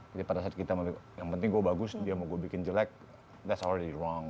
jadi pada saat kita yang penting gue bagus dia mau gue bikin jelek that's already wrong